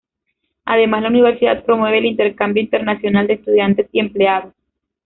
Además, la universidad promueve el intercambio internacional de estudiantes y empleados.